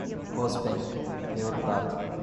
Rosbank, Neurodata